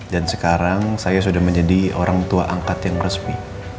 dan sekarang saya sudah menjadi orang tua angkat yang resmi